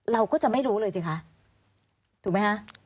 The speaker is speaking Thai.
เราก็จะไม่รู้เลยสิคะถูกไหมคะ